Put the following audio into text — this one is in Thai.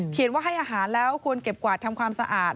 ว่าให้อาหารแล้วควรเก็บกวาดทำความสะอาด